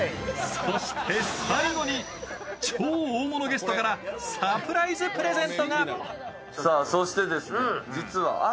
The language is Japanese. そして最後に超大物ゲストからサプライズプレゼントが。